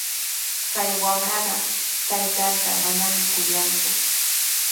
Kay wamraqa taytanta manami kuyanku.